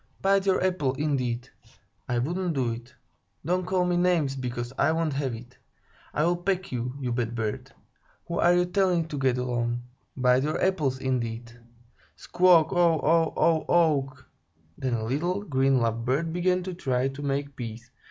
Bite your apple, indeed! I wouldn't do it. Don't call me names, because I won't have it. I'll peck you, you bad bird! Who are you telling to get along? Bite your apple, indeed! Squaw aw aw aw awk k k!" Then a little, green Love Bird began to try to make peace.